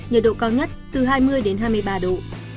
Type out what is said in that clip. nhiệt độ cao nhất từ hai mươi đến hai mươi ba độ